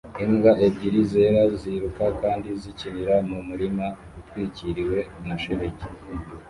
Imbwa ebyiri zera ziruka kandi zikinira mu murima utwikiriwe na shelegi